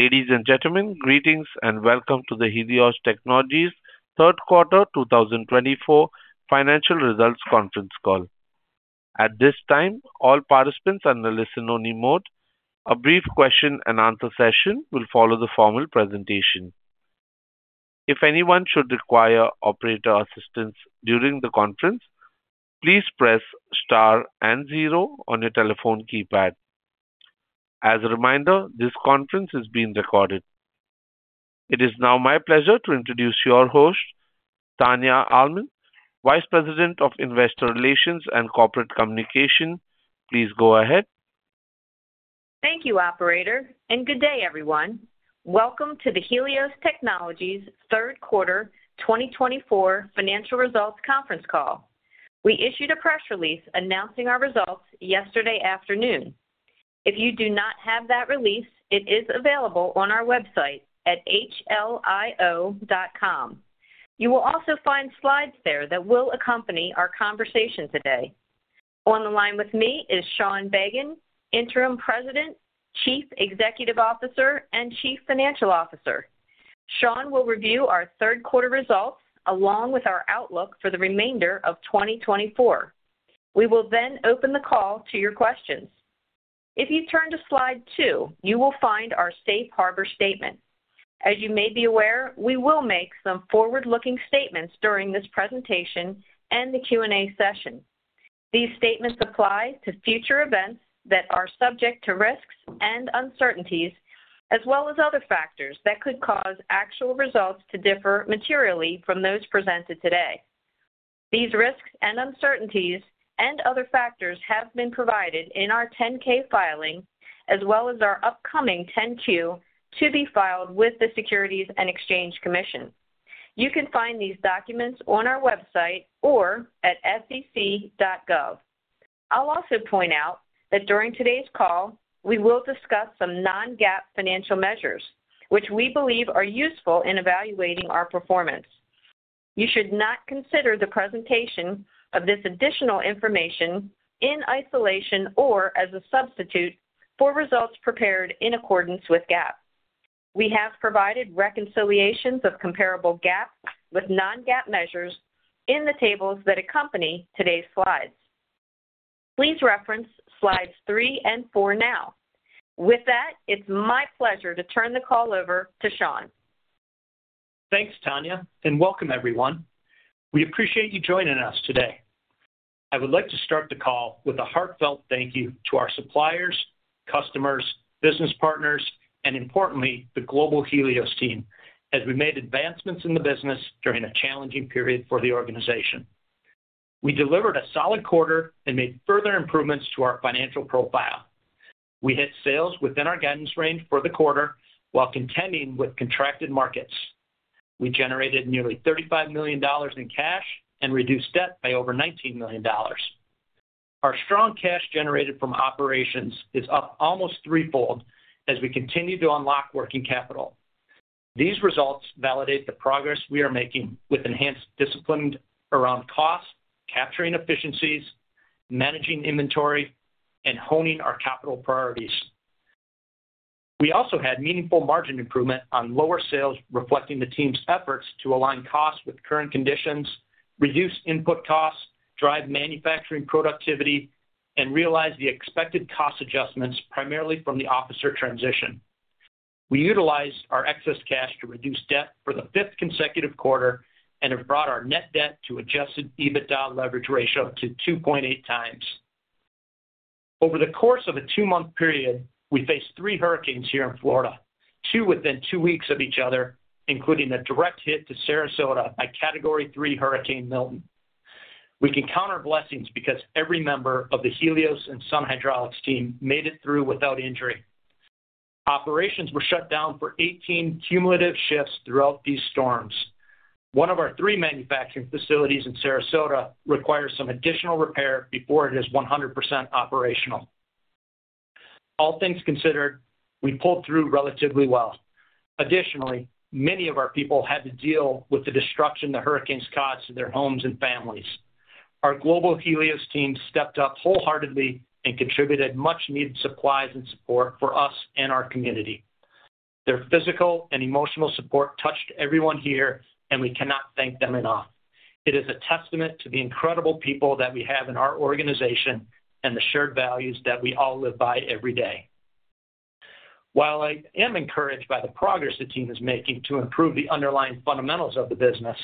Ladies and gentlemen, greetings and welcome to the Helios Technologies third quarter 2024 financial results conference call. At this time, all participants are in the listen-only mode. A brief question-and-answer session will follow the formal presentation. If anyone should require operator assistance during the conference, please press star and zero on your telephone keypad. As a reminder, this conference is being recorded. It is now my pleasure to introduce your host, Tania Almond, Vice President of Investor Relations and Corporate Communication. Please go ahead. Thank you, Operator, and good day, everyone. Welcome to the Helios Technologies Q3 2024 Financial Results Conference call. We issued a press release announcing our results yesterday afternoon. If you do not have that release, it is available on our website at hlio.com. You will also find slides there that will accompany our conversation today. On the line with me is Sean Bagan, Interim President, Chief Executive Officer, and Chief Financial Officer. Sean will review our third quarter results along with our outlook for the remainder of 2024. We will then open the call to your questions. If you turn to slide two, you will find our safe harbor statement. As you may be aware, we will make some forward-looking statements during this presentation and the Q&A session. These statements apply to future events that are subject to risks and uncertainties, as well as other factors that could cause actual results to differ materially from those presented today. These risks and uncertainties and other factors have been provided in our 10-K filing, as well as our upcoming 10-Q to be filed with the Securities and Exchange Commission. You can find these documents on our website or at sec.gov. I'll also point out that during today's call, we will discuss some non-GAAP financial measures, which we believe are useful in evaluating our performance. You should not consider the presentation of this additional information in isolation or as a substitute for results prepared in accordance with GAAP. We have provided reconciliations of comparable GAAP with non-GAAP measures in the tables that accompany today's slides. Please reference slides three and four now. With that, it's my pleasure to turn the call over to Sean. Thanks, Tania, and welcome, everyone. We appreciate you joining us today. I would like to start the call with a heartfelt thank you to our suppliers, customers, business partners, and, importantly, the global Helios team, as we made advancements in the business during a challenging period for the organization. We delivered a solid quarter and made further improvements to our financial profile. We hit sales within our guidance range for the quarter while contending with contracted markets. We generated nearly $35 million in cash and reduced debt by over $19 million. Our strong cash generated from operations is up almost threefold as we continue to unlock working capital. These results validate the progress we are making with enhanced discipline around cost, capturing efficiencies, managing inventory, and honing our capital priorities. We also had meaningful margin improvement on lower sales, reflecting the team's efforts to align costs with current conditions, reduce input costs, drive manufacturing productivity, and realize the expected cost adjustments primarily from the officer transition. We utilized our excess cash to reduce debt for the fifth consecutive quarter and have brought our net debt to Adjusted EBITDA leverage ratio to 2.8x. Over the course of a two-month period, we faced three hurricanes here in Florida, two within two weeks of each other, including a direct hit to Sarasota by Category 3 Hurricane Milton. We can count our blessings because every member of the Helios and Sun Hydraulics team made it through without injury. Operations were shut down for 18 cumulative shifts throughout these storms. One of our three manufacturing facilities in Sarasota requires some additional repair before it is 100% operational. All things considered, we pulled through relatively well. Additionally, many of our people had to deal with the destruction the hurricanes caused to their homes and families. Our global Helios team stepped up wholeheartedly and contributed much-needed supplies and support for us and our community. Their physical and emotional support touched everyone here, and we cannot thank them enough. It is a testament to the incredible people that we have in our organization and the shared values that we all live by every day. While I am encouraged by the progress the team is making to improve the underlying fundamentals of the business,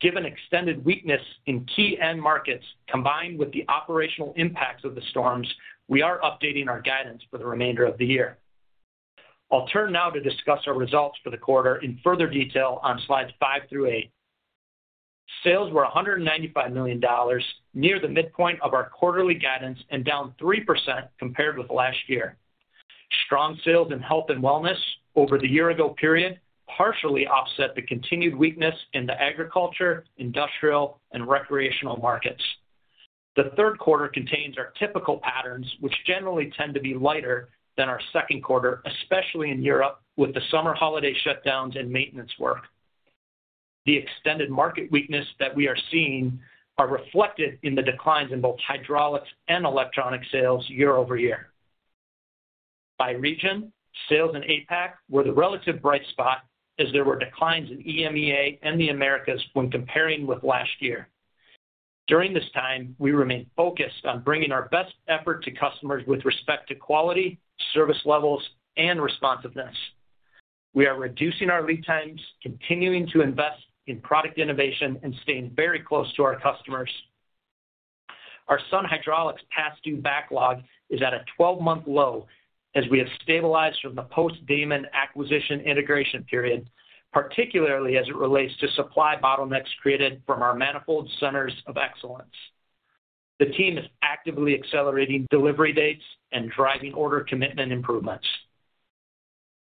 given extended weakness in key end markets combined with the operational impacts of the storms, we are updating our guidance for the remainder of the year. I'll turn now to discuss our results for the quarter in further detail on slides five through eight. Sales were $195 million, near the midpoint of our quarterly guidance, and down 3% compared with last year. Strong sales and health and wellness over the year-ago period partially offset the continued weakness in the agriculture, industrial, and recreational markets. The third quarter contains our typical patterns, which generally tend to be lighter than our second quarter, especially in Europe with the summer holiday shutdowns and maintenance work. The extended market weakness that we are seeing is reflected in the declines in both hydraulics and electronics sales year over year. By region, sales in APAC were the relative bright spot, as there were declines in EMEA and the Americas when comparing with last year. During this time, we remain focused on bringing our best effort to customers with respect to quality, service levels, and responsiveness. We are reducing our lead times, continuing to invest in product innovation, and staying very close to our customers. Our Sun Hydraulics past due backlog is at a 12-month low as we have stabilized from the post-Daman acquisition integration period, particularly as it relates to supply bottlenecks created from our manifold centers of excellence. The team is actively accelerating delivery dates and driving order commitment improvements.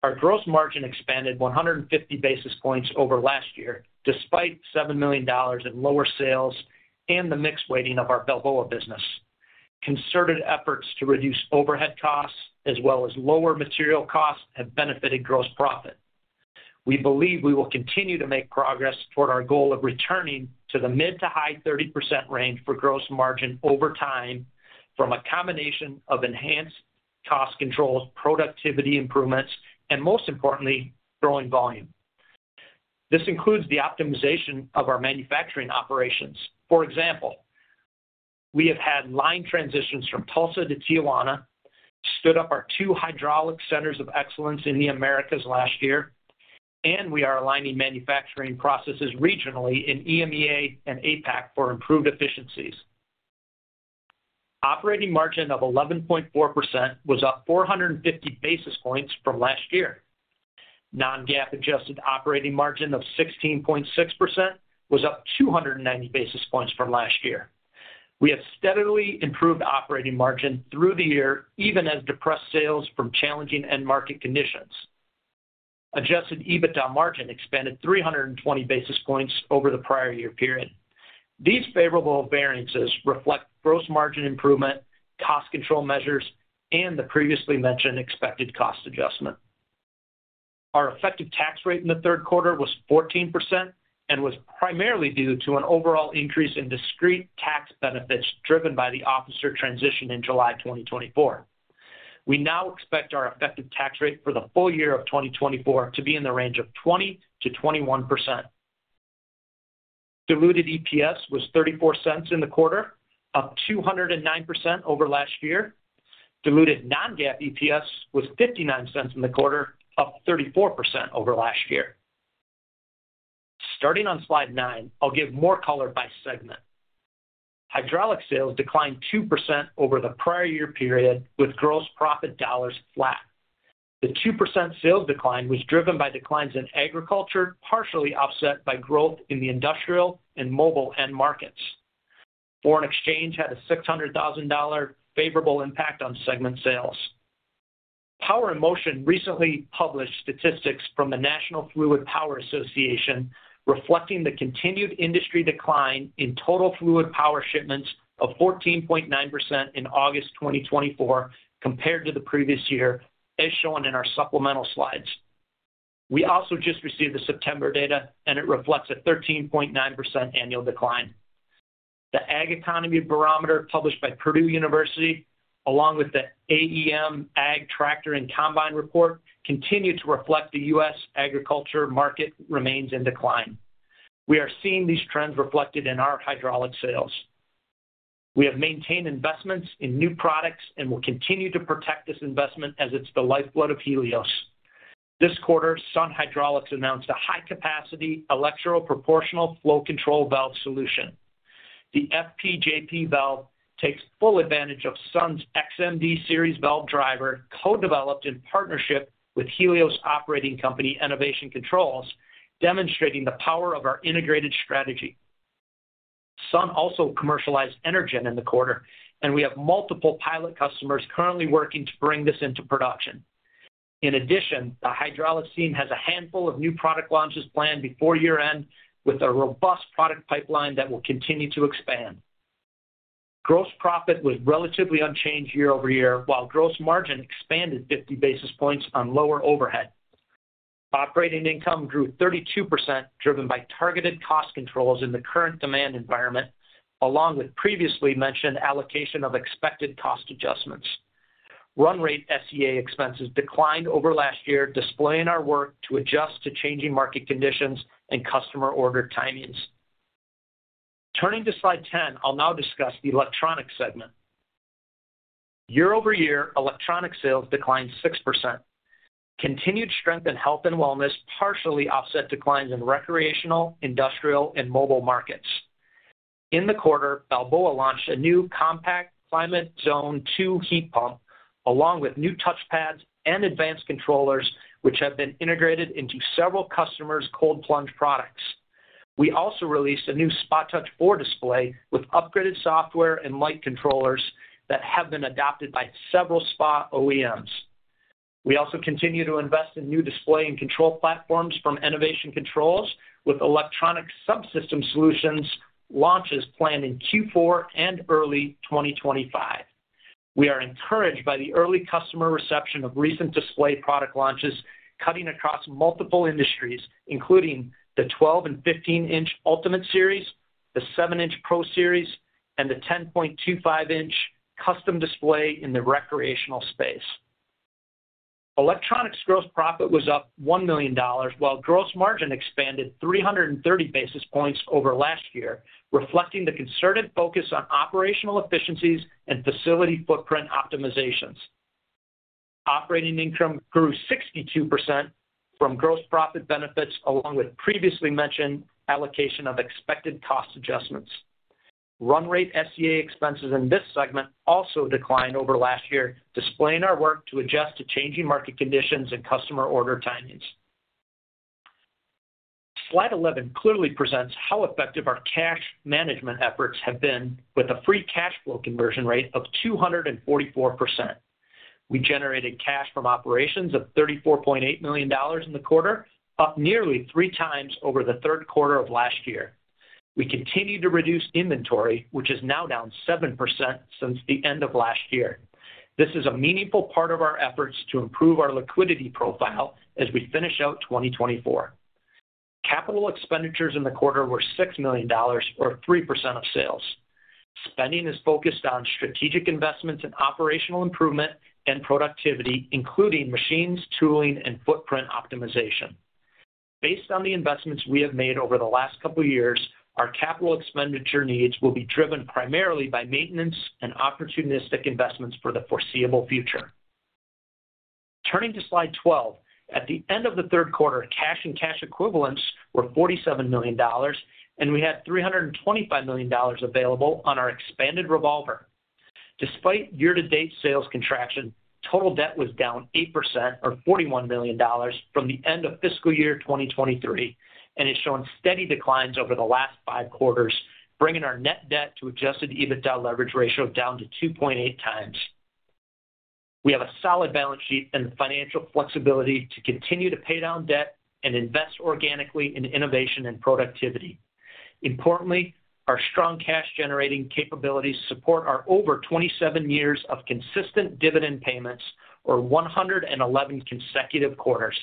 Our gross margin expanded 150 basis points over last year, despite $7 million in lower sales and the mixed weighting of our Balboa business. Concerted efforts to reduce overhead costs as well as lower material costs have benefited gross profit. We believe we will continue to make progress toward our goal of returning to the mid- to high-30% range for gross margin over time from a combination of enhanced cost controls, productivity improvements, and most importantly, growing volume. This includes the optimization of our manufacturing operations. For example, we have had line transitions from Tulsa to Tijuana, stood up our two hydraulic centers of excellence in the Americas last year, and we are aligning manufacturing processes regionally in EMEA and APAC for improved efficiencies. Operating margin of 11.4% was up 450 basis points from last year. Non-GAAP adjusted operating margin of 16.6% was up 290 basis points from last year. We have steadily improved operating margin through the year, even as depressed sales from challenging end market conditions. Adjusted EBITDA margin expanded 320 basis points over the prior year period. These favorable variances reflect gross margin improvement, cost control measures, and the previously mentioned expected cost adjustment. Our effective tax rate in the third quarter was 14% and was primarily due to an overall increase in discrete tax benefits driven by the officer transition in July 2024. We now expect our effective tax rate for the full year of 2024 to be in the range of 20%-21%. Diluted EPS was $0.34 in the quarter, up 209% over last year. Diluted non-GAAP EPS was $0.59 in the quarter, up 34% over last year. Starting on slide nine, I'll give more color by segment. Hydraulic sales declined 2% over the prior year period, with gross profit dollars flat. The 2% sales decline was driven by declines in agriculture, partially offset by growth in the industrial and mobile end markets. Foreign exchange had a $600,000 favorable impact on segment sales. Power & Motion recently published statistics from the National Fluid Power Association, reflecting the continued industry decline in total fluid power shipments of 14.9% in August 2024 compared to the previous year, as shown in our supplemental slides. We also just received the September data, and it reflects a 13.9% annual decline. The Ag Economy Barometer published by Purdue University, along with the AEM Ag Tractor and Combine report, continued to reflect the U.S. agriculture market remains in decline. We are seeing these trends reflected in our hydraulic sales. We have maintained investments in new products and will continue to protect this investment as it's the lifeblood of Helios. This quarter, Sun Hydraulics announced a high-capacity electrical proportional flow control valve solution. The FPJP valve takes full advantage of Sun's XMD Series valve driver, co-developed in partnership with Helios operating company Enovation Controls, demonstrating the power of our integrated strategy. Sun also commercialized ENERGEN in the quarter, and we have multiple pilot customers currently working to bring this into production. In addition, the hydraulics team has a handful of new product launches planned before year-end, with a robust product pipeline that will continue to expand. Gross profit was relatively unchanged year over year, while gross margin expanded 50 basis points on lower overhead. Operating income grew 32%, driven by targeted cost controls in the current demand environment, along with previously mentioned allocation of expected cost adjustments. Run rate SEA expenses declined over last year, displaying our work to adjust to changing market conditions and customer order timings. Turning to slide 10, I'll now discuss the electronics segment. Year over year, electronics sales declined 6%. Continued strength in health and wellness partially offset declines in recreational, industrial, and mobile markets. In the quarter, Balboa launched a new compact Clim8zone II heat pump, along with new touchpads and advanced controllers, which have been integrated into several customers' cold plunge products. We also released a new SpaTouch 4 display with upgraded software and light controllers that have been adopted by several spa OEMs. We also continue to invest in new display and control platforms from Enovation Controls, with electronic subsystem solutions launches planned in Q4 and early 2025. We are encouraged by the early customer reception of recent display product launches cutting across multiple industries, including the 12- and 15-inch Ultimate Series, the 7-inch Pro Series, and the 10.25-inch custom display in the recreational space. Electronics gross profit was up $1 million, while gross margin expanded 330 basis points over last year, reflecting the concerted focus on operational efficiencies and facility footprint optimizations. Operating income grew 62% from gross profit benefits, along with previously mentioned allocation of expected cost adjustments. Run rate SEA expenses in this segment also declined over last year, displaying our work to adjust to changing market conditions and customer order timings. Slide 11 clearly presents how effective our cash management efforts have been, with a free cash flow conversion rate of 244%. We generated cash from operations of $34.8 million in the quarter, up nearly 3x over the third quarter of last year. We continue to reduce inventory, which is now down 7% since the end of last year. This is a meaningful part of our efforts to improve our liquidity profile as we finish out 2024. Capital expenditures in the quarter were $6 million, or 3% of sales. Spending is focused on strategic investments in operational improvement and productivity, including machines, tooling, and footprint optimization. Based on the investments we have made over the last couple of years, our capital expenditure needs will be driven primarily by maintenance and opportunistic investments for the foreseeable future. Turning to slide 12, at the end of the third quarter, cash and cash equivalents were $47 million, and we had $325 million available on our expanded revolver. Despite year-to-date sales contraction, total debt was down 8%, or $41 million, from the end of fiscal year 2023, and has shown steady declines over the last five quarters, bringing our net debt to Adjusted EBITDA Leverage Ratio down to 2.8x. We have a solid balance sheet and financial flexibility to continue to pay down debt and invest organically in innovation and productivity. Importantly, our strong cash-generating capabilities support our over 27 years of consistent dividend payments, or 111 consecutive quarters.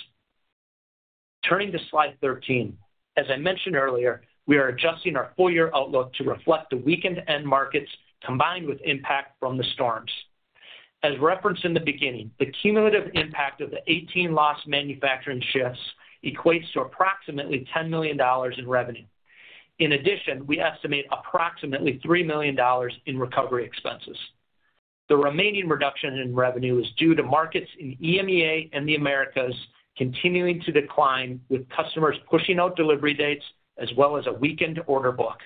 Turning to slide 13, as I mentioned earlier, we are adjusting our full year outlook to reflect the weakened end markets combined with impact from the storms. As referenced in the beginning, the cumulative impact of the 18 lost manufacturing shifts equates to approximately $10 million in revenue. In addition, we estimate approximately $3 million in recovery expenses. The remaining reduction in revenue is due to markets in EMEA and the Americas continuing to decline, with customers pushing out delivery dates as well as a weakened order book.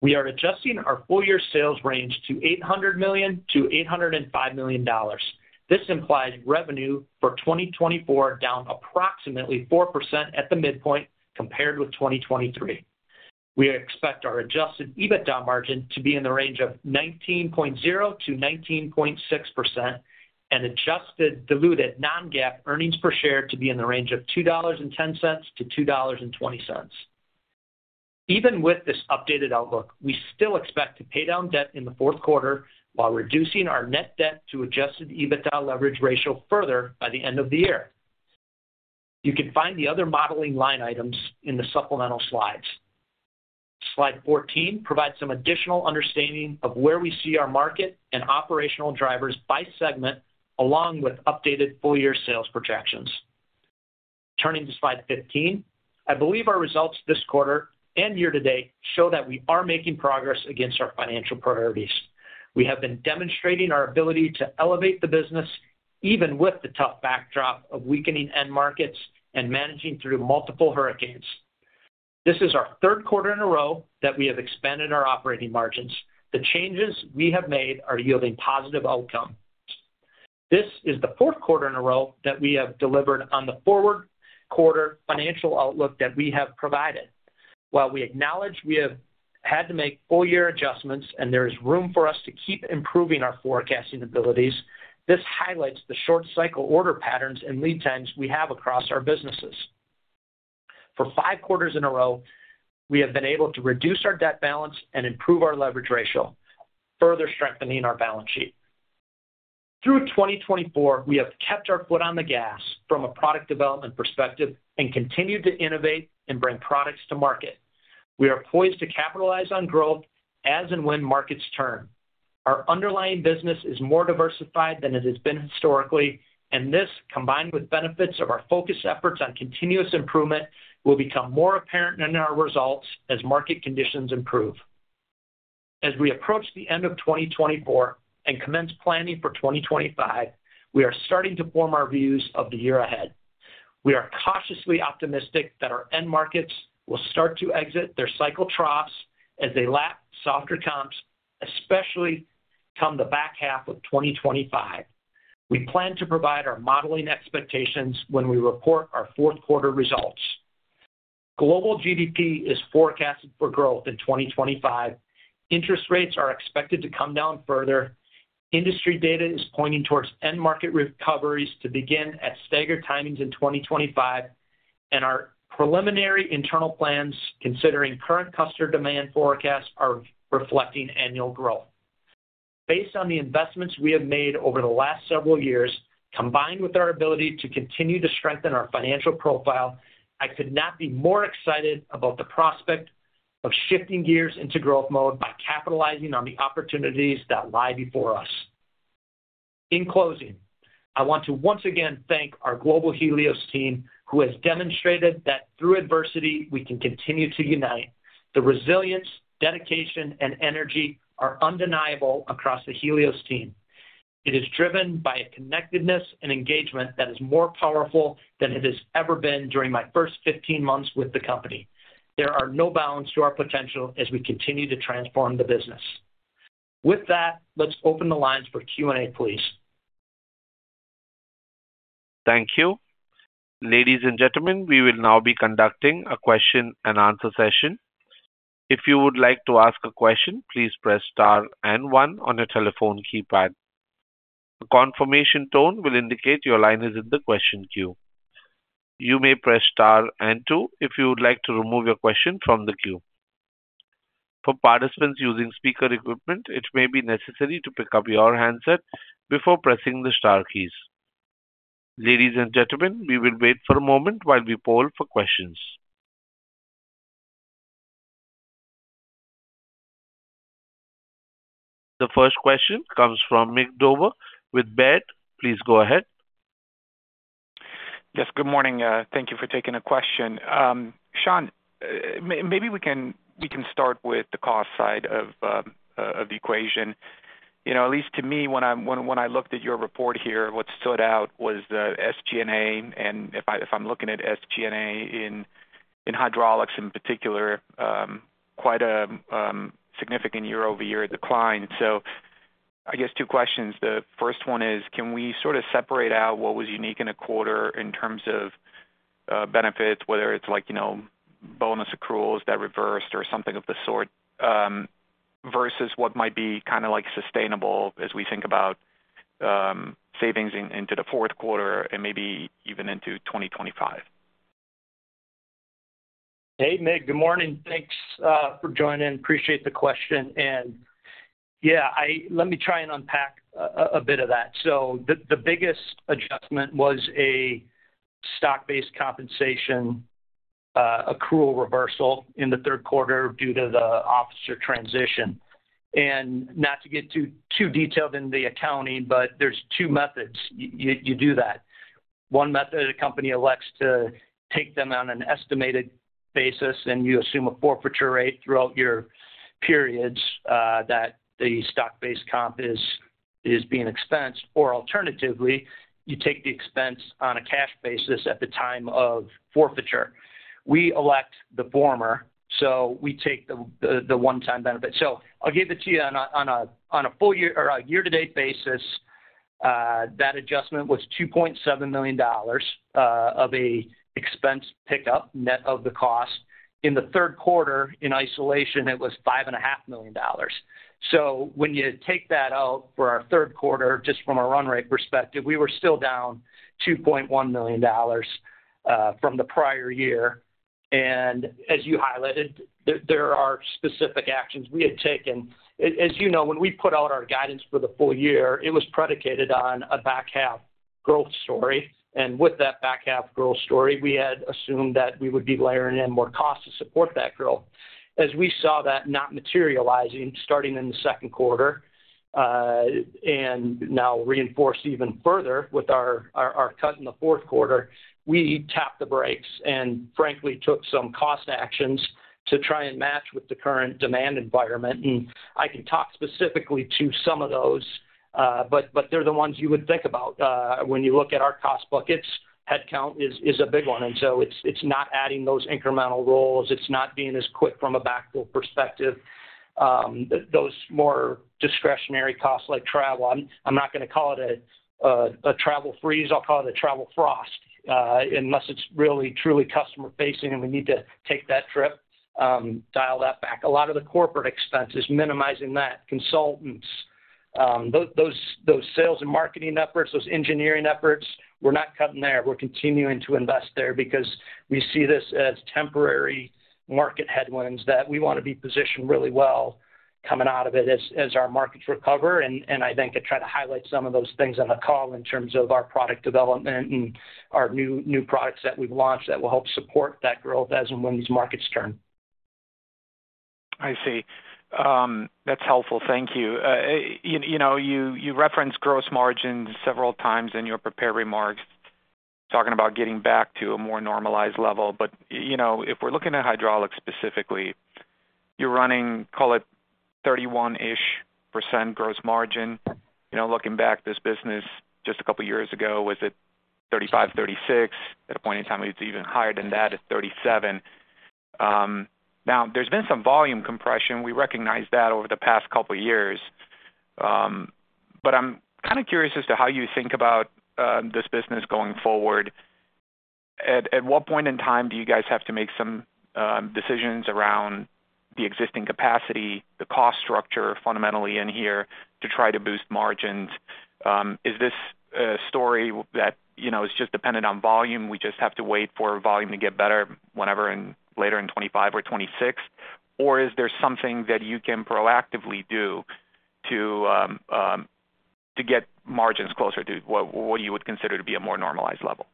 We are adjusting our full year sales range to $800 million-$805 million. This implies revenue for 2024 down approximately 4% at the midpoint compared with 2023. We expect our Adjusted EBITDA margin to be in the range of 19.0%-19.6% and adjusted diluted non-GAAP earnings per share to be in the range of $2.10-$2.20. Even with this updated outlook, we still expect to pay down debt in the fourth quarter while reducing our net debt to Adjusted EBITDA Leverage Ratio further by the end of the year. You can find the other modeling line items in the supplemental slides. Slide 14 provides some additional understanding of where we see our market and operational drivers by segment, along with updated full year sales projections. Turning to Slide 15, I believe our results this quarter and year-to-date show that we are making progress against our financial priorities. We have been demonstrating our ability to elevate the business, even with the tough backdrop of weakening end markets and managing through multiple hurricanes. This is our third quarter in a row that we have expanded our operating margins. The changes we have made are yielding positive outcome. This is the fourth quarter in a row that we have delivered on the forward quarter financial outlook that we have provided. While we acknowledge we have had to make full year adjustments and there is room for us to keep improving our forecasting abilities, this highlights the short cycle order patterns and lead times we have across our businesses. For five quarters in a row, we have been able to reduce our debt balance and improve our leverage ratio, further strengthening our balance sheet. Through 2024, we have kept our foot on the gas from a product development perspective and continued to innovate and bring products to market. We are poised to capitalize on growth as and when markets turn. Our underlying business is more diversified than it has been historically, and this, combined with benefits of our focused efforts on continuous improvement, will become more apparent in our results as market conditions improve. As we approach the end of 2024 and commence planning for 2025, we are starting to form our views of the year ahead. We are cautiously optimistic that our end markets will start to exit their cycle troughs as they lap software comps, especially come the back half of 2025. We plan to provide our modeling expectations when we report our fourth quarter results. Global GDP is forecast for growth in 2025. Interest rates are expected to come down further. Industry data is pointing towards end market recoveries to begin at staggered timings in 2025, and our preliminary internal plans, considering current customer demand forecasts, are reflecting annual growth. Based on the investments we have made over the last several years, combined with our ability to continue to strengthen our financial profile, I could not be more excited about the prospect of shifting gears into growth mode by capitalizing on the opportunities that lie before us. In closing, I want to once again thank our global Helios team, who has demonstrated that through adversity, we can continue to unite. The resilience, dedication, and energy are undeniable across the Helios team. It is driven by a connectedness and engagement that is more powerful than it has ever been during my first 15 months with the company. There are no bounds to our potential as we continue to transform the business. With that, let's open the lines for Q&A, please. Thank you. Ladies and gentlemen, we will now be conducting a question and answer session. If you would like to ask a question, please press star and one on your telephone keypad. A confirmation tone will indicate your line is in the question queue. You may press star and two if you would like to remove your question from the queue. For participants using speaker equipment, it may be necessary to pick up your handset before pressing the star keys. Ladies and gentlemen, we will wait for a moment while we poll for questions. The first question comes from Mig Dobre with Baird. Please go ahead. Yes, good morning. Thank you for taking a question. Sean, maybe we can start with the cost side of the equation. At least to me, when I looked at your report here, what stood out was the SG&A. And if I'm looking at SG&A in hydraulics in particular, quite a significant year-over-year decline. So I guess two questions. The first one is, can we sort of separate out what was unique in a quarter in terms of benefits, whether it's bonus accruals that reversed or something of the sort, versus what might be kind of sustainable as we think about savings into the fourth quarter and maybe even into 2025? Hey, Mig, good morning. Thanks for joining. Appreciate the question. And yeah, let me try and unpack a bit of that. So the biggest adjustment was a stock-based compensation accrual reversal in the third quarter due to the officer transition. And not to get too detailed in the accounting, but there's two methods you do that. One method, a company elects to take them on an estimated basis, and you assume a forfeiture rate throughout your periods that the stock-based comp is being expensed. Or alternatively, you take the expense on a cash basis at the time of forfeiture. We elect the former, so we take the one-time benefit. So I'll give it to you on a full year-to-date basis. That adjustment was $2.7 million of an expense pickup net of the cost. In the third quarter, in isolation, it was $5.5 million. So when you take that out for our third quarter, just from a run rate perspective, we were still down $2.1 million from the prior year. And as you highlighted, there are specific actions we had taken. As you know, when we put out our guidance for the full year, it was predicated on a back half growth story. And with that back half growth story, we had assumed that we would be layering in more costs to support that growth. As we saw that not materializing starting in the second quarter and now reinforced even further with our cut in the fourth quarter, we tapped the brakes and frankly took some cost actions to try and match with the current demand environment. And I can talk specifically to some of those, but they're the ones you would think about when you look at our cost buckets. Headcount is a big one. And so it's not adding those incremental roles. It's not being as quick from a backfill perspective. Those more discretionary costs like travel, I'm not going to call it a travel freeze. I'll call it a travel frost unless it's really truly customer-facing and we need to take that trip, dial that back. A lot of the corporate expenses, minimizing that, consultants, those sales and marketing efforts, those engineering efforts, we're not cutting there. We're continuing to invest there because we see this as temporary market headwinds that we want to be positioned really well coming out of it as our markets recover. I think I try to highlight some of those things on the call in terms of our product development and our new products that we've launched that will help support that growth as and when these markets turn. I see. That's helpful. Thank you. You referenced gross margins several times in your prepared remarks talking about getting back to a more normalized level. But if we're looking at hydraulics specifically, you're running, call it 31-ish% gross margin. Looking back, this business just a couple of years ago, was it 35%, 36%? At a point in time, it was even higher than that at 37%. Now, there's been some volume compression. We recognize that over the past couple of years. I'm kind of curious as to how you think about this business going forward. At what point in time do you guys have to make some decisions around the existing capacity, the cost structure fundamentally in here to try to boost margins? Is this a story that it's just dependent on volume? We just have to wait for volume to get better whenever later in 2025 or 2026? Or is there something that you can proactively do to get margins closer to what you would consider to be a more normalized level?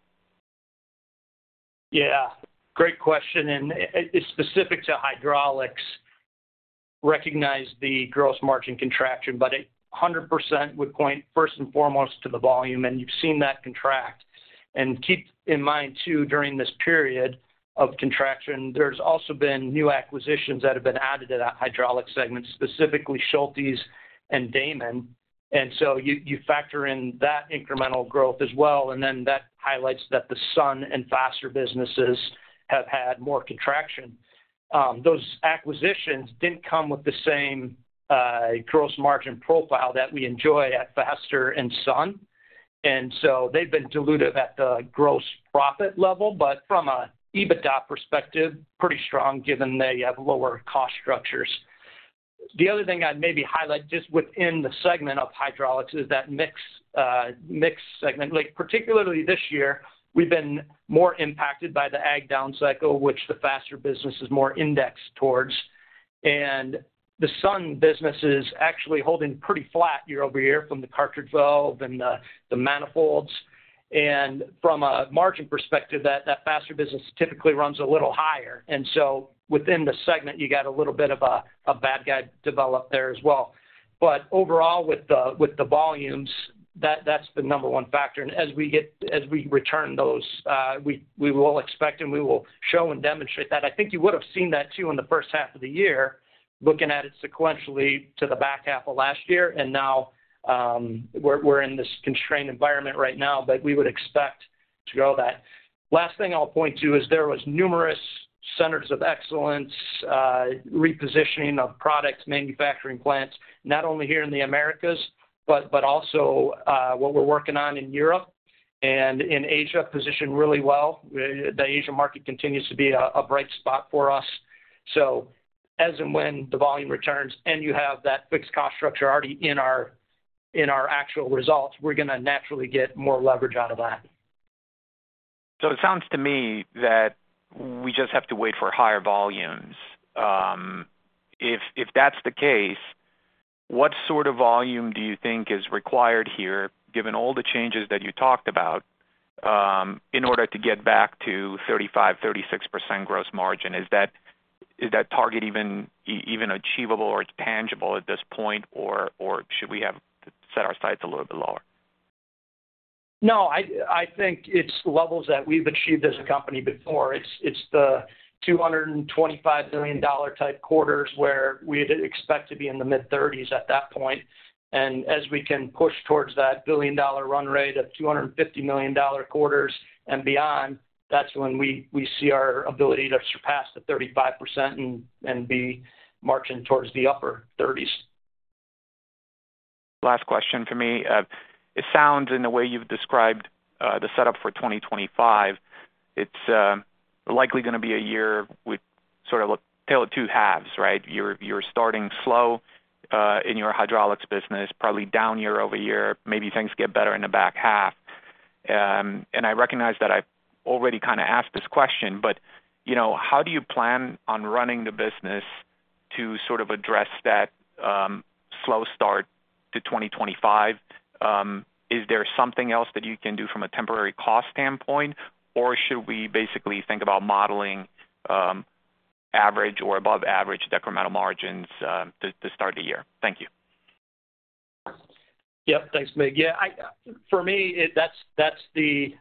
Yeah. Great question, and it's specific to hydraulics. Recognize the gross margin contraction, but 100% would point first and foremost to the volume. And you've seen that contract. And keep in mind too, during this period of contraction, there's also been new acquisitions that have been added to that hydraulic segment, specifically Schultes and Daman. And so you factor in that incremental growth as well. And then that highlights that the Sun and Faster businesses have had more contraction. Those acquisitions didn't come with the same gross margin profile that we enjoy at Faster and Sun. And so they've been diluted at the gross profit level, but from an EBITDA perspective, pretty strong given they have lower cost structures. The other thing I'd maybe highlight just within the segment of hydraulics is the mix shift. Particularly this year, we've been more impacted by the Ag down cycle, which the Faster business is more indexed towards. And the Sun business is actually holding pretty flat year over year from the cartridge valve and the manifolds. And from a margin perspective, that Faster business typically runs a little higher. And so within the segment, you got a little bit of a bad mix developed there as well. But overall, with the volumes, that's the number one factor. And as we return those, we will expect and we will show and demonstrate that. I think you would have seen that too in the first half of the year, looking at it sequentially to the back half of last year. And now we're in this constrained environment right now, but we would expect to grow that. Last thing I'll point to is there was numerous centers of excellence, repositioning of products, manufacturing plants, not only here in the Americas, but also what we're working on in Europe and in Asia positioned really well. The Asia market continues to be a bright spot for us. So as and when the volume returns and you have that fixed cost structure already in our actual results, we're going to naturally get more leverage out of that. It sounds to me that we just have to wait for higher volumes. If that's the case, what sort of volume do you think is required here, given all the changes that you talked about, in order to get back to 35%-36% gross margin? Is that target even achievable or tangible at this point, or should we have set our sights a little bit lower? No, I think it's levels that we've achieved as a company before. It's the $225 million type quarters where we'd expect to be in the mid-30s at that point. And as we can push towards that billion-dollar run rate of $250 million quarters and beyond, that's when we see our ability to surpass the 35% and be marching towards the upper 30s. Last question for me. It sounds in the way you've described the setup for 2025, it's likely going to be a year with sort of a tale of two halves, right? You're starting slow in your hydraulics business, probably down year over year, maybe things get better in the back half. And I recognize that I've already kind of asked this question, but how do you plan on running the business to sort of address that slow start to 2025? Is there something else that you can do from a temporary cost standpoint, or should we basically think about modeling average or above-average decremental margins to start the year? Thank you. Yep. Thanks, Mig. Yeah. For me, that's the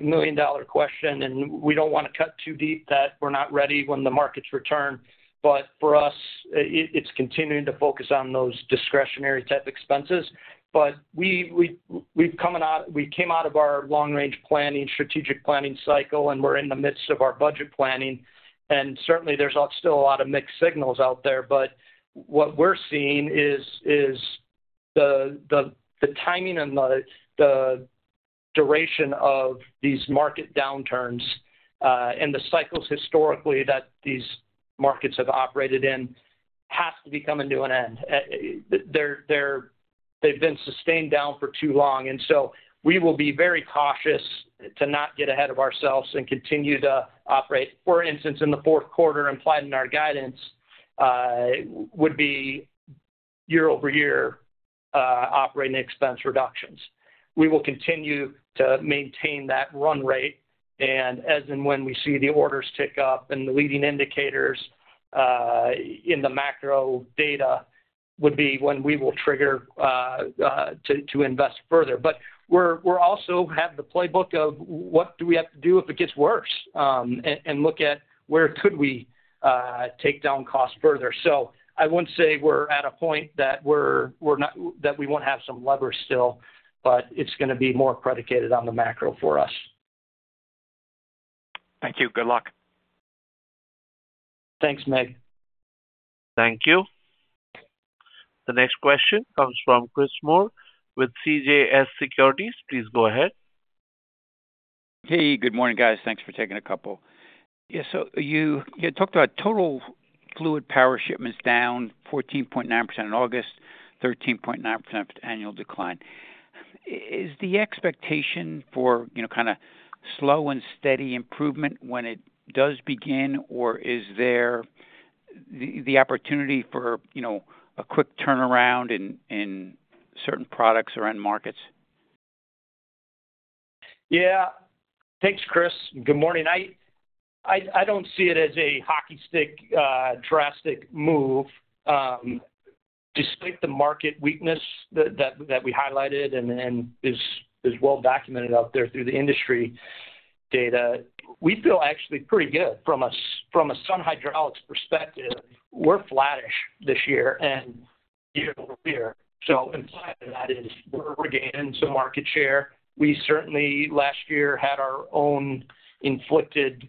million-dollar question. And we don't want to cut too deep that we're not ready when the markets return. But for us, it's continuing to focus on those discretionary type expenses. But we came out of our long-range planning, strategic planning cycle, and we're in the midst of our budget planning. And certainly, there's still a lot of mixed signals out there. But what we're seeing is the timing and the duration of these market downturns and the cycles historically that these markets have operated in has to become a new norm. They've been sustained down for too long. And so we will be very cautious to not get ahead of ourselves and continue to operate. For instance, in the fourth quarter, implied in our guidance, would be year-over-year operating expense reductions. We will continue to maintain that run rate. And as and when we see the orders tick up and the leading indicators in the macro data would be when we will trigger to invest further. But we also have the playbook of what do we have to do if it gets worse and look at where could we take down costs further. So I wouldn't say we're at a point that we won't have some lever still, but it's going to be more predicated on the macro for us. Thank you. Good luck. Thanks, Mig. Thank you. The next question comes from Chris Moore with CJS Securities. Please go ahead. Hey, good morning, guys. Thanks for taking a couple. Yeah. So you talked about total fluid power shipments down 14.9% in August, 13.9% annual decline. Is the expectation for kind of slow and steady improvement when it does begin, or is there the opportunity for a quick turnaround in certain products or end markets? Yeah. Thanks, Chris. Good morning. I don't see it as a hockey stick drastic move. Despite the market weakness that we highlighted and is well documented out there through the industry data, we feel actually pretty good. From a Sun Hydraulics perspective, we're flattish this year and year over year. So implied in that is we're regaining some market share. We certainly last year had our own inflicted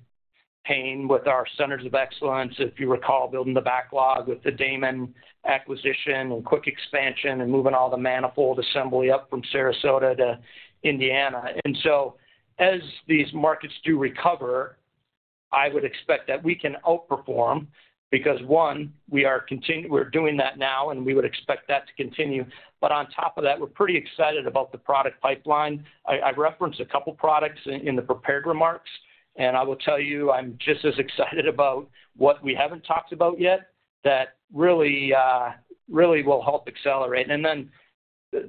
pain with our centers of excellence, if you recall, building the backlog with the Daman acquisition and quick expansion and moving all the manifold assembly up from Sarasota to Indiana. And so as these markets do recover, I would expect that we can outperform because, one, we are doing that now, and we would expect that to continue. But on top of that, we're pretty excited about the product pipeline. I referenced a couple of products in the prepared remarks, and I will tell you I'm just as excited about what we haven't talked about yet that really will help accelerate, and then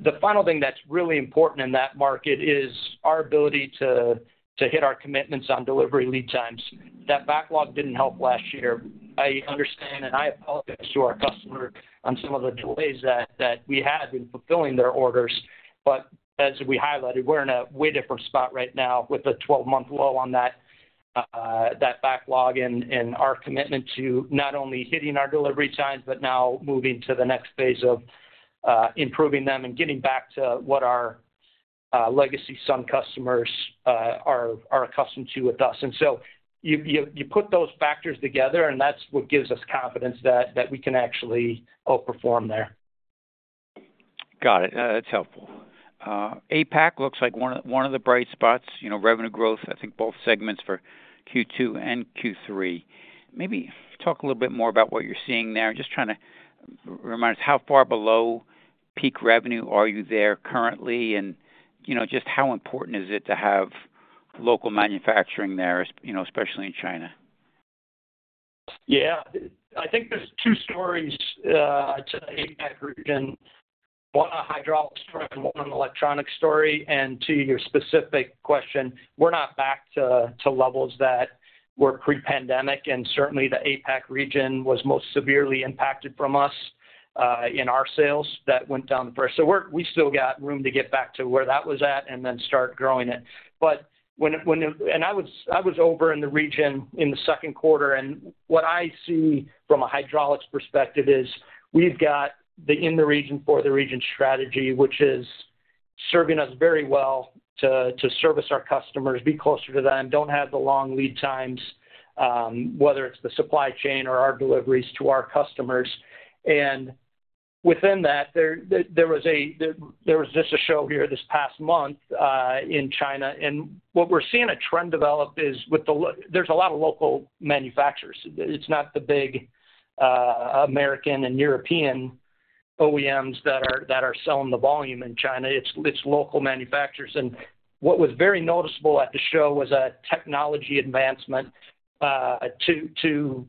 the final thing that's really important in that market is our ability to hit our commitments on delivery lead times. That backlog didn't help last year. I understand, and I apologize to our customer on some of the delays that we had in fulfilling their orders, but as we highlighted, we're in a way different spot right now with a 12-month low on that backlog and our commitment to not only hitting our delivery times, but now moving to the next phase of improving them and getting back to what our legacy Sun customers are accustomed to with us. And so you put those factors together, and that's what gives us confidence that we can actually outperform there. Got it. That's helpful. APAC looks like one of the bright spots, revenue growth, I think both segments for Q2 and Q3. Maybe talk a little bit more about what you're seeing there. Just trying to remind us, how far below peak revenue are you there currently? And just how important is it to have local manufacturing there, especially in China? Yeah. I think there's two stories to the APAC region, one a hydraulic story and one an electronic story. And to your specific question, we're not back to levels that were pre-pandemic. And certainly, the APAC region was most severely impacted from us in our sales that went down first. So we still got room to get back to where that was at and then start growing it. And I was over in the region in the second quarter. And what I see from a hydraulics perspective is we've got the in-the-region for the region strategy, which is serving us very well to service our customers, be closer to them, don't have the long lead times, whether it's the supply chain or our deliveries to our customers. And within that, there was just a show here this past month in China. And what we're seeing a trend develop is there's a lot of local manufacturers. It's not the big American and European OEMs that are selling the volume in China. It's local manufacturers. And what was very noticeable at the show was a technology advancement to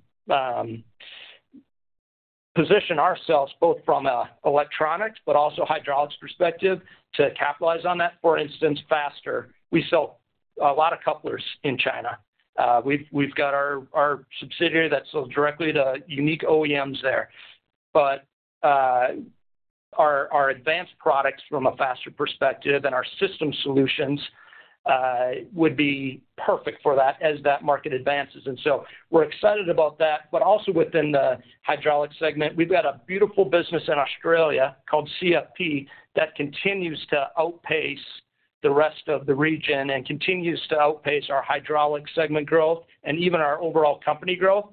position ourselves both from an electronics, but also hydraulics perspective to capitalize on that, for instance, Faster. We sell a lot of couplers in China. We've got our subsidiary that sells directly to unique OEMs there, but our advanced products from a Faster perspective and our system solutions would be perfect for that as that market advances, and so we're excited about that, but also within the hydraulic segment, we've got a beautiful business in Australia called CFP that continues to outpace the rest of the region and continues to outpace our hydraulic segment growth and even our overall company growth.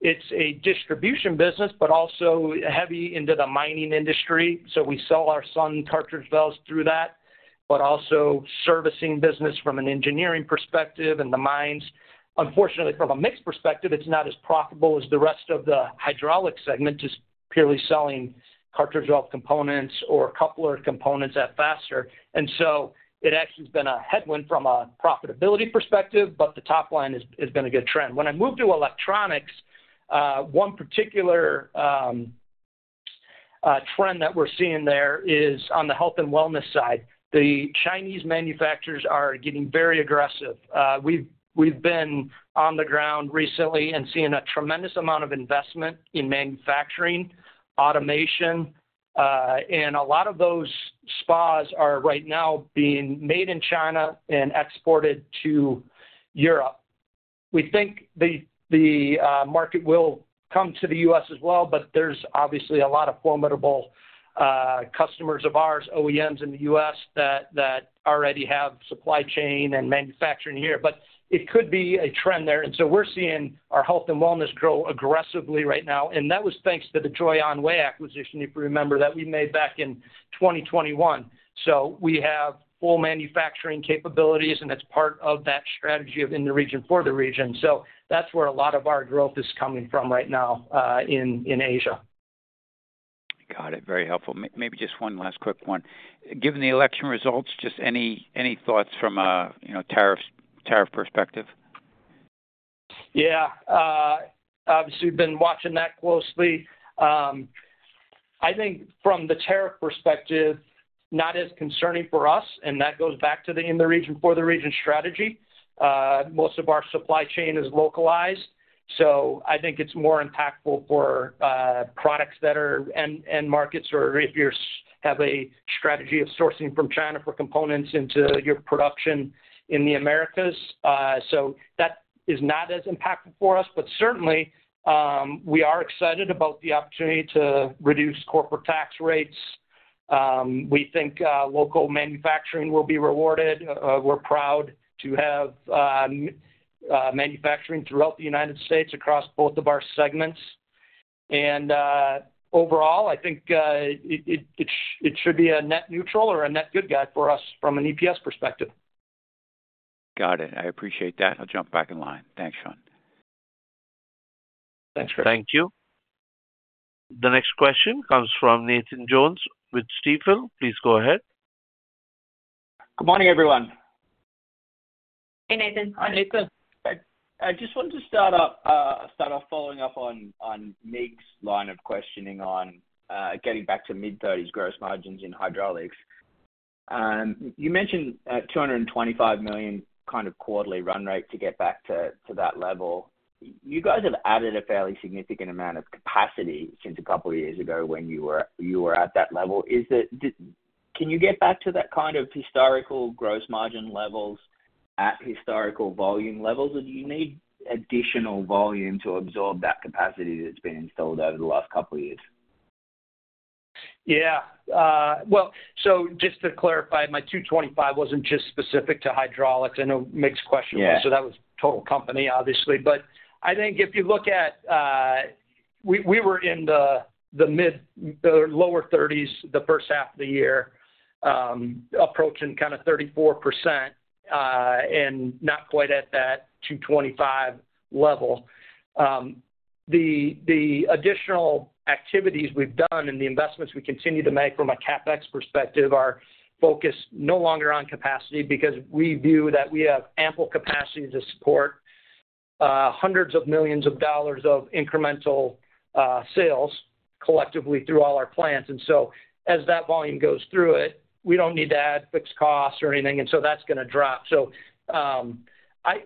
It's a distribution business, but also heavy into the mining industry, so we sell our Sun cartridge valves through that, but also servicing business from an engineering perspective and the mines. Unfortunately, from a mix perspective, it's not as profitable as the rest of the hydraulic segment is purely selling cartridge valve components or coupler components at Faster. It actually has been a headwind from a profitability perspective, but the top line has been a good trend. When I moved to electronics, one particular trend that we're seeing there is on the health and wellness side. The Chinese manufacturers are getting very aggressive. We've been on the ground recently and seeing a tremendous amount of investment in manufacturing, automation. A lot of those spas are right now being made in China and exported to Europe. We think the market will come to the U.S. as well, but there's obviously a lot of formidable customers of ours, OEMs in the U.S. that already have supply chain and manufacturing here. But it could be a trend there. We're seeing our health and wellness grow aggressively right now. And that was thanks to the Joyonway acquisition, if you remember, that we made back in 2021. So we have full manufacturing capabilities, and it's part of that strategy of in-the-region for-the-region. So that's where a lot of our growth is coming from right now in Asia. Got it. Very helpful. Maybe just one last quick one. Given the election results, just any thoughts from a tariff perspective? Yeah. Obviously, we've been watching that closely. I think from the tariff perspective, not as concerning for us. And that goes back to the in-the-region for-the-region strategy. Most of our supply chain is localized. So I think it's more impactful for products that are end markets or if you have a strategy of sourcing from China for components into your production in the Americas. So that is not as impactful for us. But certainly, we are excited about the opportunity to reduce corporate tax rates. We think local manufacturing will be rewarded. We're proud to have manufacturing throughout the United States across both of our segments. And overall, I think it should be a net neutral or a net good guy for us from an EPS perspective. Got it. I appreciate that. I'll jump back in line. Thanks, Sean. Thanks, Chris. Thank you. The next question comes from Nathan Jones with Stifel. Please go ahead. Good morning, everyone. Hey, Nathan. Hi, Nathan. I just wanted to start off following up on Mig's line of questioning on getting back to mid-30s% gross margins in hydraulics. You mentioned $225 million kind of quarterly run rate to get back to that level. You guys have added a fairly significant amount of capacity since a couple of years ago when you were at that level. Can you get back to that kind of historical gross margin levels at historical volume levels, or do you need additional volume to absorb that capacity that's been installed over the last couple of years? Yeah. Well, so just to clarify, my 225 wasn't just specific to hydraulics. I know Mig's question was, so that was total company, obviously. But I think if you look at, we were in the lower 30s the first half of the year, approaching kind of 34% and not quite at that 225 level. The additional activities we've done and the investments we continue to make from a CapEx perspective are focused no longer on capacity because we view that we have ample capacity to support hundreds of millions of dollars of incremental sales collectively through all our plants. And so as that volume goes through it, we don't need to add fixed costs or anything. And so that's going to drop. So I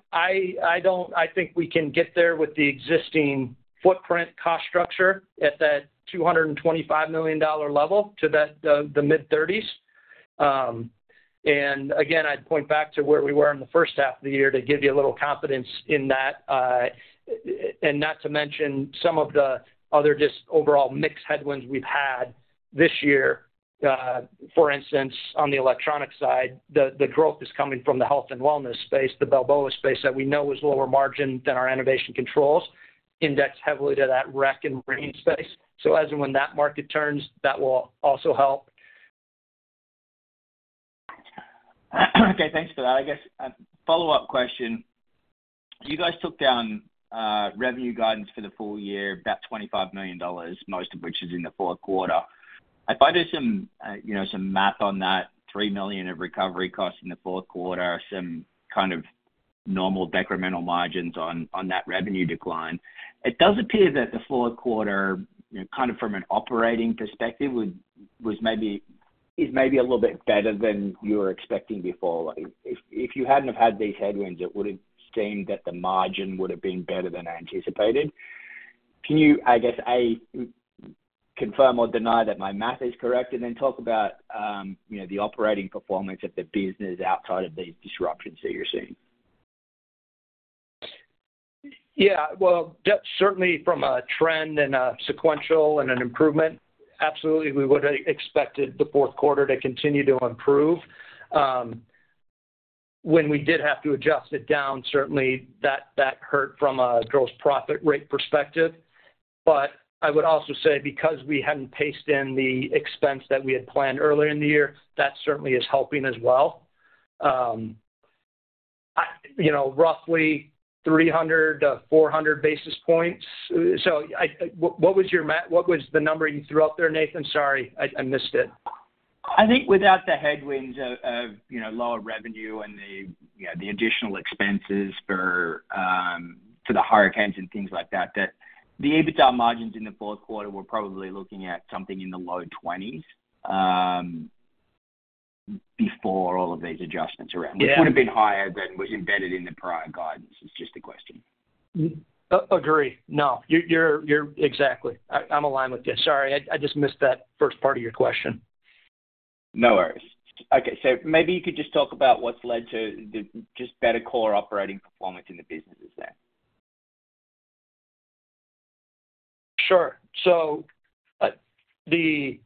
think we can get there with the existing footprint cost structure at that $225 million level to the mid-30s. And again, I'd point back to where we were in the first half of the year to give you a little confidence in that. And not to mention some of the other just overall mix headwinds we've had this year. For instance, on the electronic side, the growth is coming from the health and wellness space, the Balboa space that we know is lower margin than our Enovation Controls, indexed heavily to that rec and marine space. So as and when that market turns, that will also help. Okay. Thanks for that. I guess a follow-up question. You guys took down revenue guidance for the full year, about $25 million, most of which is in the fourth quarter. If I do some math on that, $3 million of recovery costs in the fourth quarter, some kind of normal decremental margins on that revenue decline, it does appear that the fourth quarter, kind of from an operating perspective, is maybe a little bit better than you were expecting before. If you hadn't have had these headwinds, it would have seemed that the margin would have been better than anticipated. Can you, I guess, A, confirm or deny that my math is correct, and then talk about the operating performance of the business outside of these disruptions that you're seeing? Yeah. Well, certainly from a trend and a sequential and an improvement, absolutely, we would have expected the fourth quarter to continue to improve. When we did have to adjust it down, certainly that hurt from a gross profit rate perspective, but I would also say, because we hadn't paced in the expense that we had planned earlier in the year, that certainly is helping as well. Roughly 300-400 basis points, so what was your math? What was the number you threw out there, Nathan? Sorry, I missed it. I think without the headwinds of lower revenue and the additional expenses to the hurricanes and things like that, that the EBITDA margins in the fourth quarter were probably looking at something in the low 20s before all of these adjustments around. It would have been higher than was embedded in the prior guidance. It's just a question. Agree. No. Exactly. I'm aligned with you. Sorry, I just missed that first part of your question. No worries. Okay. So, maybe you could just talk about what's led to just better core operating performance in the businesses there. Sure. So, the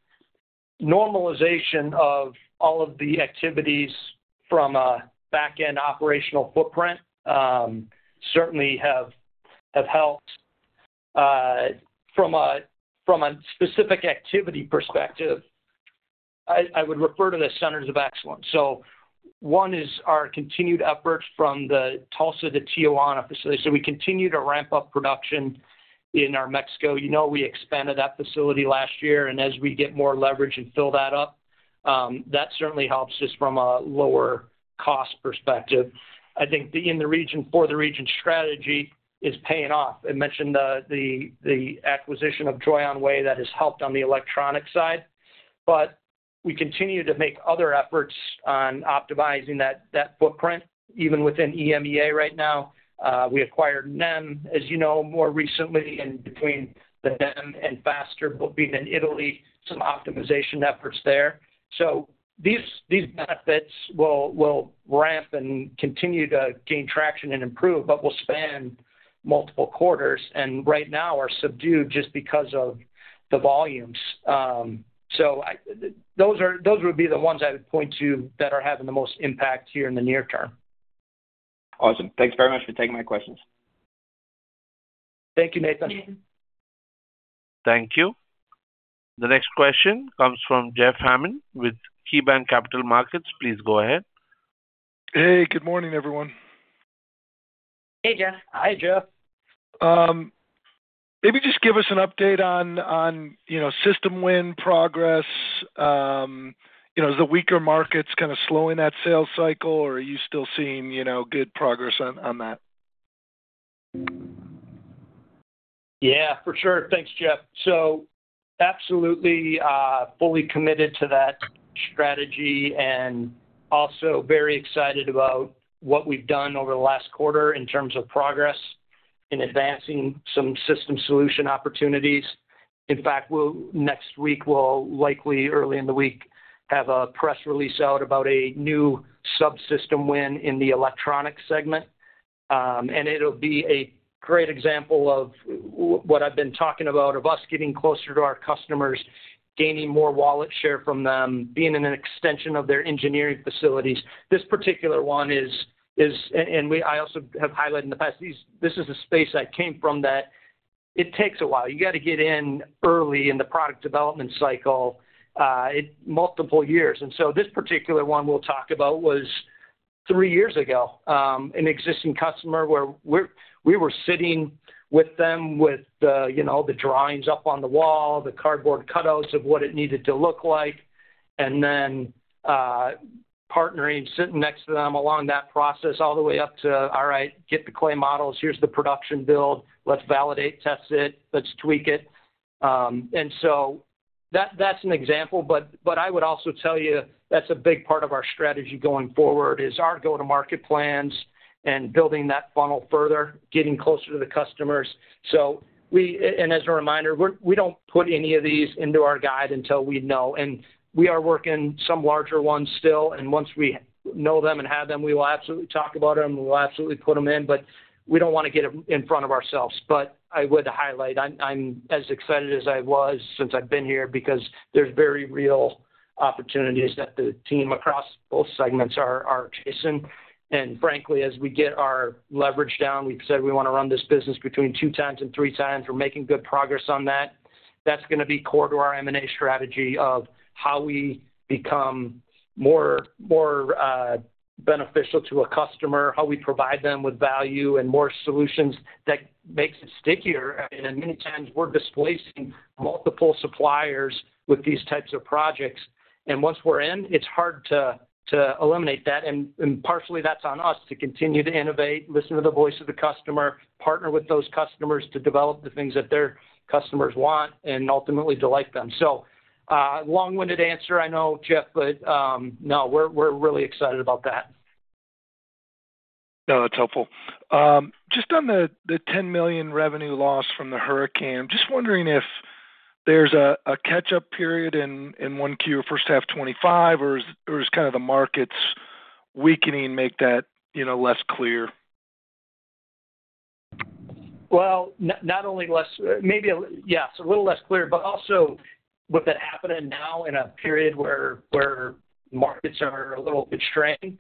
normalization of all of the activities from a back-end operational footprint certainly have helped. From a specific activity perspective, I would refer to the Centers of Excellence. So, one is our continued efforts from the Tulsa to Tijuana facility. So, we continue to ramp up production in our Mexico. We expanded that facility last year. And as we get more leverage and fill that up, that certainly helps us from a lower cost perspective. I think in the region for the region strategy is paying off. I mentioned the acquisition of Joyonway that has helped on the electronic side. But we continue to make other efforts on optimizing that footprint. Even within EMEA right now, we acquired NEM, as you know, more recently. In between the NEM and Faster, both being in Italy, some optimization efforts there. So these benefits will ramp and continue to gain traction and improve, but will span multiple quarters and right now are subdued just because of the volumes. So those would be the ones I would point to that are having the most impact here in the near term. Awesome. Thanks very much for taking my questions. Thank you, Nathan. Thank you. The next question comes from Jeff Hammond with KeyBanc Capital Markets. Please go ahead. Hey, good morning, everyone. Hey, Jeff. Hi, Jeff. Maybe just give us an update on system win progress. Is the weaker markets kind of slowing that sales cycle, or are you still seeing good progress on that? Yeah, for sure. Thanks, Jeff. So, absolutely fully committed to that strategy and also very excited about what we've done over the last quarter in terms of progress in advancing some system solution opportunities. In fact, next week, we'll likely, early in the week, have a press release out about a new subsystem win in the electronic segment. And it'll be a great example of what I've been talking about, of us getting closer to our customers, gaining more wallet share from them, being an extension of their engineering facilities. This particular one is, and I also have highlighted in the past, this is a space I came from that it takes a while. You got to get in early in the product development cycle, multiple years. And so this particular one we'll talk about was three years ago, an existing customer where we were sitting with them with the drawings up on the wall, the cardboard cutouts of what it needed to look like, and then partnering, sitting next to them along that process all the way up to, "All right, get the clay models. Here's the production build. Let's validate, test it. Let's tweak it." And so that's an example. But I would also tell you that's a big part of our strategy going forward is our go-to-market plans and building that funnel further, getting closer to the customers. And as a reminder, we don't put any of these into our guide until we know. And we are working some larger ones still. And once we know them and have them, we will absolutely talk about them. We'll absolutely put them in. We don't want to get in front of ourselves. I would highlight, I'm as excited as I was since I've been here because there's very real opportunities that the team across both segments are chasing. Frankly, as we get our leverage down, we've said we want to run this business between two times and three times. We're making good progress on that. That's going to be core to our M&A strategy of how we become more beneficial to a customer, how we provide them with value and more solutions that makes it stickier. Many times we're displacing multiple suppliers with these types of projects. Once we're in, it's hard to eliminate that. Partially, that's on us to continue to innovate, listen to the voice of the customer, partner with those customers to develop the things that their customers want and ultimately delight them. So long-winded answer, I know, Jeff, but no, we're really excited about that. No, that's helpful. Just on the $10 million revenue loss from the hurricane, I'm just wondering if there's a catch-up period in 1Q, first half 2025, or is kind of the markets weakening make that less clear? Well, not only less, maybe, yes, a little less clear, but also with it happening now in a period where markets are a little constrained,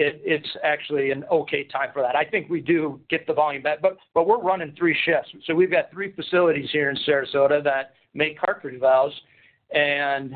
it's actually an okay time for that. I think we do get the volume back. But we're running three shifts. So we've got three facilities here in Sarasota that make cartridge valves. And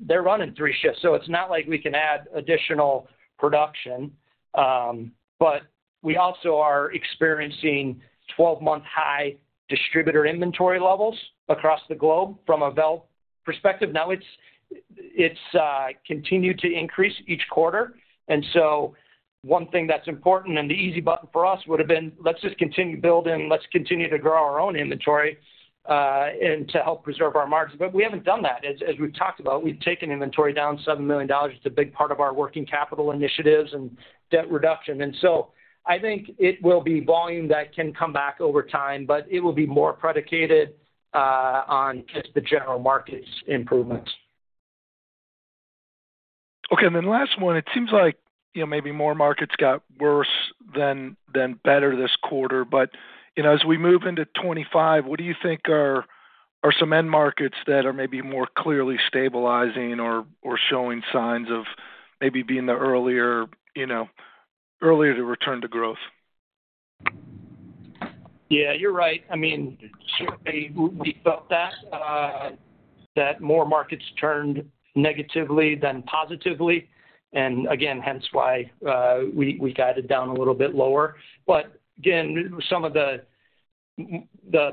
they're running three shifts. So it's not like we can add additional production. But we also are experiencing 12-month high distributor inventory levels across the globe from a valve perspective. Now it's continued to increase each quarter. And so one thing that's important and the easy button for us would have been, "Let's just continue building and let's continue to grow our own inventory and to help preserve our margin." But we haven't done that. As we've talked about, we've taken inventory down $7 million. It's a big part of our working capital initiatives and debt reduction. And so I think it will be volume that can come back over time, but it will be more predicated on just the general markets' improvements. Okay. And then last one, it seems like maybe more markets got worse than better this quarter. But as we move into 2025, what do you think are some end markets that are maybe more clearly stabilizing or showing signs of maybe being the earlier to return to growth? Yeah, you're right. I mean, certainly, we felt that more markets turned negatively than positively. Again, hence why we guided down a little bit lower. Again, some of the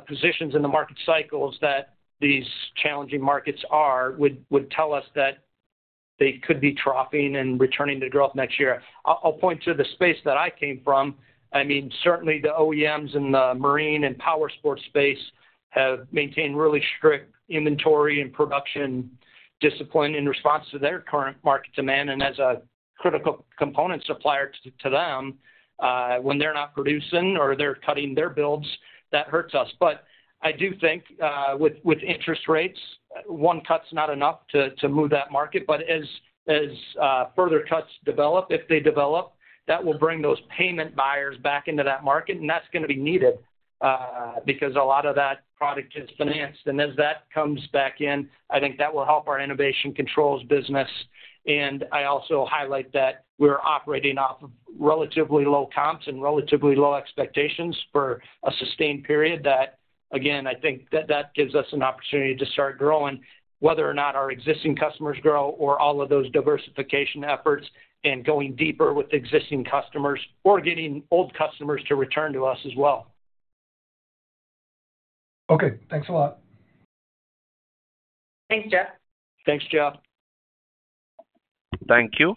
positions in the market cycles that these challenging markets are would tell us that they could be troughing and returning to growth next year. I'll point to the space that I came from. I mean, certainly, the OEMs in the marine and powersports space have maintained really strict inventory and production discipline in response to their current market demand. And as a critical component supplier to them, when they're not producing or they're cutting their builds, that hurts us. I do think with interest rates, one cut's not enough to move that market. As further cuts develop, if they develop, that will bring those payment buyers back into that market. And that's going to be needed because a lot of that product is financed. As that comes back in, I think that will help our Enovation Controls business. I also highlight that we're operating off of relatively low comps and relatively low expectations for a sustained period that, again, I think that that gives us an opportunity to start growing, whether or not our existing customers grow or all of those diversification efforts and going deeper with existing customers or getting old customers to return to us as well. Okay. Thanks a lot. Thanks, Jeff. Thanks, Jeff. Thank you.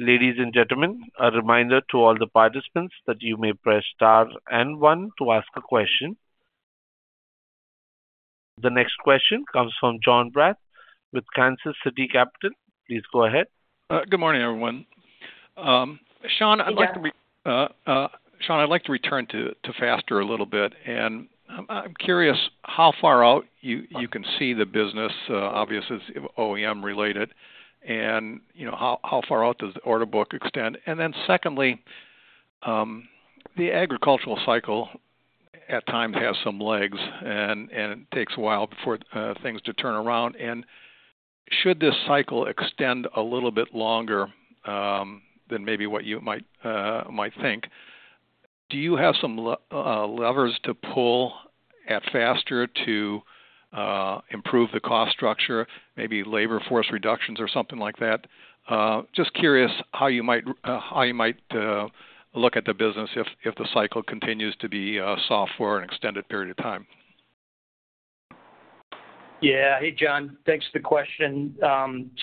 Ladies and gentlemen, a reminder to all the participants that you may press star and one to ask a question. The next question comes from Jon Braatz with Kansas City Capital. Please go ahead. Good morning, everyone. Sean, I'd like to be Sean, I'd like to return to Faster a little bit. And I'm curious how far out you can see the business, obviously OEM-related, and how far out does the order book extend? And then secondly, the agricultural cycle at times has some legs, and it takes a while before things turn around. And should this cycle extend a little bit longer than maybe what you might think, do you have some levers to pull at Faster to improve the cost structure, maybe labor force reductions or something like that? Just curious how you might look at the business if the cycle continues to be soft for an extended period of time. Yeah. Hey, Jon. Thanks for the question.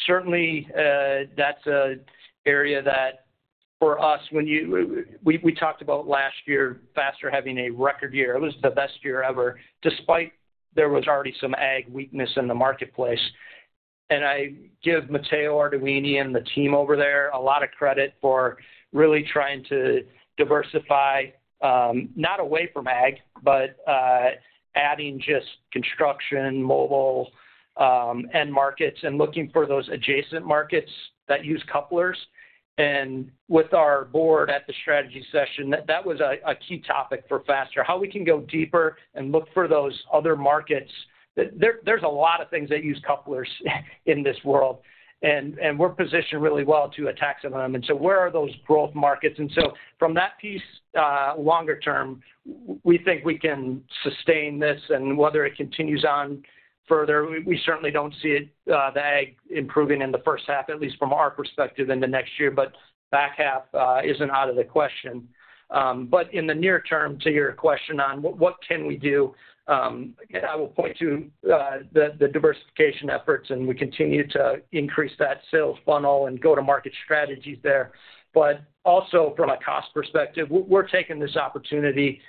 Certainly, that's an area that for us, when we talked about last year, Faster having a record year. It was the best year ever, despite there was already some Ag weakness in the marketplace. And I give Matteo Arduini and the team over there a lot of credit for really trying to diversify, not away from Ag, but adding just construction, mobile end markets, and looking for those adjacent markets that use couplers. And with our board at the strategy session, that was a key topic for Faster, how we can go deeper and look for those other markets. There's a lot of things that use couplers in this world. And we're positioned really well to attack some of them. And so where are those growth markets? And so from that piece, longer term, we think we can sustain this. And whether it continues on further, we certainly don't see the ag improving in the first half, at least from our perspective in the next year. But back half isn't out of the question. But in the near term, to your question on what can we do, I will point to the diversification efforts, and we continue to increase that sales funnel and go to market strategies there. But also from a cost perspective, we're taking this opportunity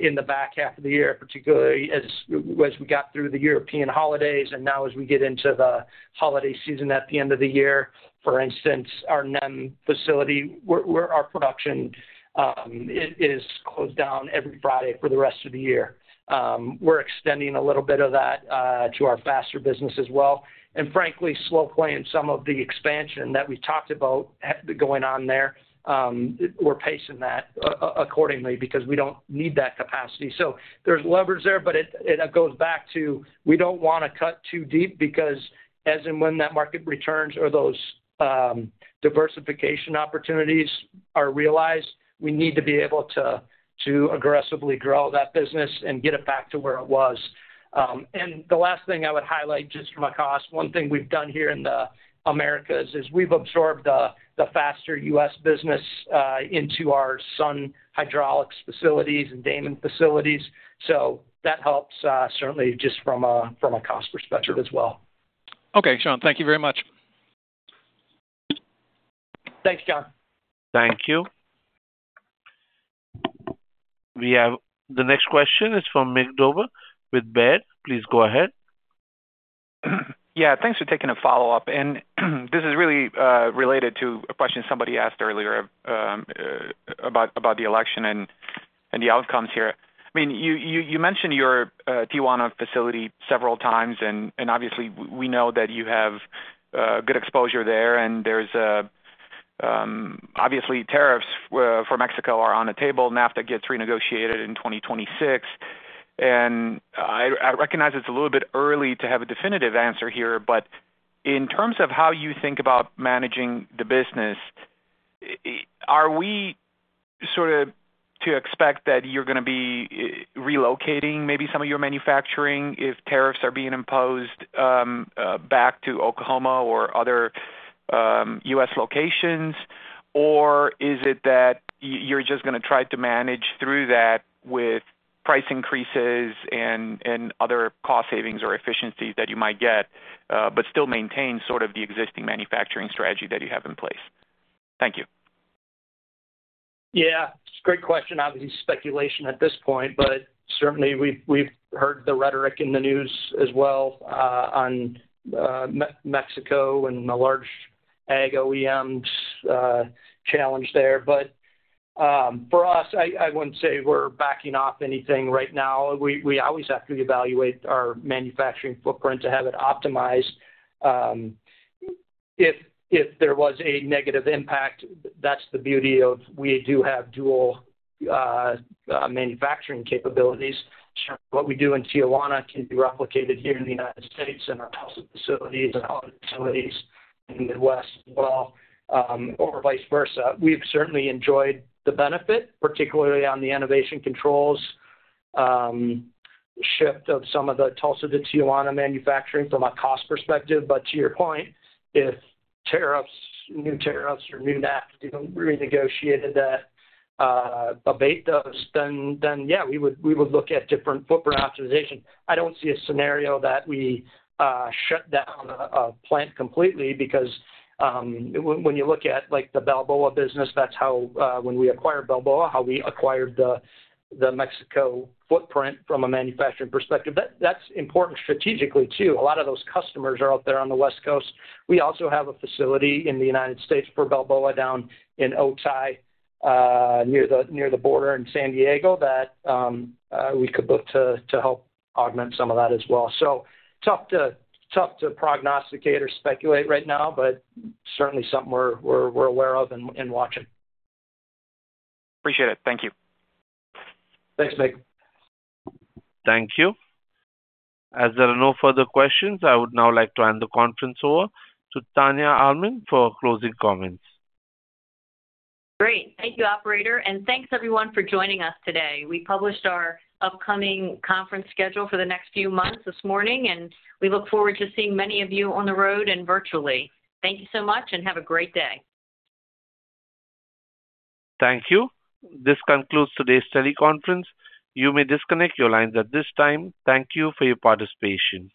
in the back half of the year, particularly as we got through the European holidays and now as we get into the holiday season at the end of the year. For instance, our NEM facility, our production is closed down every Friday for the rest of the year. We're extending a little bit of that to our Faster business as well. And frankly, slow playing some of the expansion that we talked about going on there. We're pacing that accordingly because we don't need that capacity. So there's levers there, but it goes back to we don't want to cut too deep because as and when that market returns or those diversification opportunities are realized, we need to be able to aggressively grow that business and get it back to where it was. And the last thing I would highlight just from a cost, one thing we've done here in the Americas is we've absorbed the Faster U.S. business into our Sun Hydraulics facilities and Daman facilities. So that helps certainly just from a cost perspective as well. Okay, Sean, thank you very much. Thanks, Jon. Thank you. We have the next question is from Mig with Baird. Please go ahead. Yeah, thanks for taking a follow-up. And this is really related to a question somebody asked earlier about the election and the outcomes here. I mean, you mentioned your Tijuana facility several times. And obviously, we know that you have good exposure there. And there's obviously tariffs for Mexico are on the table. NAFTA gets renegotiated in 2026. And I recognize it's a little bit early to have a definitive answer here. But in terms of how you think about managing the business, are we sort of to expect that you're going to be relocating maybe some of your manufacturing if tariffs are being imposed back to Oklahoma or other U.S. locations? Or is it that you're just going to try to manage through that with price increases and other cost savings or efficiencies that you might get, but still maintain sort of the existing manufacturing strategy that you have in place? Thank you. Yeah. It's a great question. Obviously, speculation at this point, but certainly we've heard the rhetoric in the news as well on Mexico and the large Ag OEMs challenge there, but for us, I wouldn't say we're backing off anything right now. We always have to evaluate our manufacturing footprint to have it optimized. If there was a negative impact, that's the beauty of we do have dual manufacturing capabilities. What we do in Tijuana can be replicated here in the United States and our Tulsa facilities and other facilities in the Midwest as well, or vice versa. We've certainly enjoyed the benefit, particularly on the Enovation Controls shift of some of the Tulsa to Tijuana manufacturing from a cost perspective, but to your point, if tariffs, new tariffs or new NAFTA renegotiated that abate those, then yeah, we would look at different footprint optimization. I don't see a scenario that we shut down a plant completely because when you look at the Balboa business, that's how when we acquired Balboa, how we acquired the Mexico footprint from a manufacturing perspective. That's important strategically too. A lot of those customers are out there on the West Coast. We also have a facility in the United States for Balboa down in Otay near the border in San Diego that we could look to help augment some of that as well. So tough to prognosticate or speculate right now, but certainly something we're aware of and watching. Appreciate it. Thank you. Thanks, Mig. Thank you. As there are no further questions, I would now like to hand the conference over to Tania Almond for closing comments. Great. Thank you, operator. And thanks, everyone, for joining us today. We published our upcoming conference schedule for the next few months this morning, and we look forward to seeing many of you on the road and virtually. Thank you so much and have a great day. Thank you. This concludes today's conference. You may disconnect your lines at this time. Thank you for your participation.